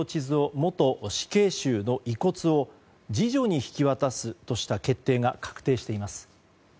元死刑囚の遺骨を、次女に引き渡すとした決定が確定しています。